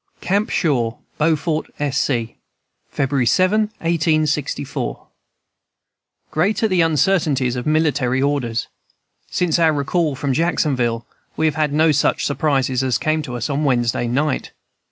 "CAMP SHAW, BEAUFORT, S. C., "February 7, 1864. "Great are the uncertainties of military orders! Since our recall from Jacksonville we have had no such surprises as came to us on Wednesday night.